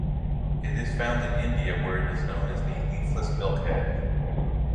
It is found in India where it is known as the leafless milk hedge.